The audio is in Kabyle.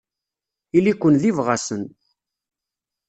Ili-ken d ibɣasen.